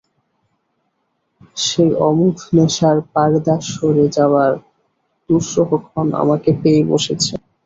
সেই অমোঘ নেশার পরদা সরে যাবার দুঃসহ ক্ষণ আমাকে পেয়ে বসেছে।